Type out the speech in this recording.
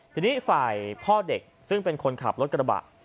ทีนี้ฝ่ายพ่อเด็กซึ่งเป็นคนขับรถกระบะ